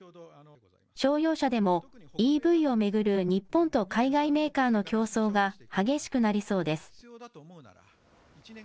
商用車でも、ＥＶを巡る日本と海外メーカーの競争が激しくなりそうです。